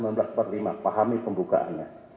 untuk undang undang dasar sembilan belas lima pahami pembukaannya